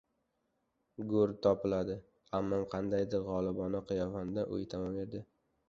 — Go‘rni topiladi! — Ammam qandaydir g‘olibona qiyofada uy tomon yurdi.